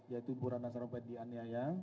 yaitu purana terobat di aniaya